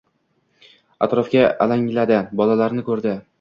Atrofga alangladi, bolalarni ko'rdi.